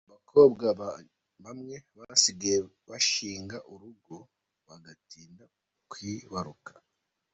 Abakobwa bamwe basigaye bashinga urugo , bagatinda kwibaruka.